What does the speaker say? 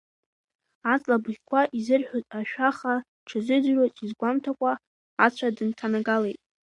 Аҵла абыӷьқәа изырҳәоз ашәа хаа дшазыӡырҩуаз изгәамҭакәа ацәа дынҭанагалеит.